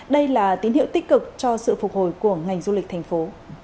đây là tín hiệu tích cực cho sự phục hồi của ngành du lịch thành phố